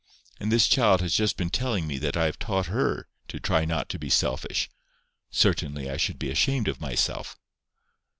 And this child has just been telling me that I have taught her to try not to be selfish. Certainly I should be ashamed of myself."